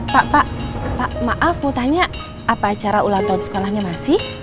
pak pak pak maaf mau tanya apa acara ulang tahun sekolahnya masih